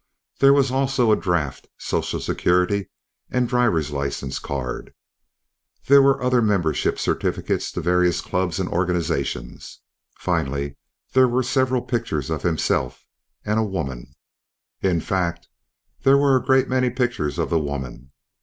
There was also a draft, social security and drivers license card. The others were membership certificates to various clubs and organizations. Finally there were several pictures of himself and a woman; in fact, there were a great many pictures of the woman.